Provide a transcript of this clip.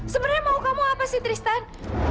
sebenarnya mau kamu apa sih tristan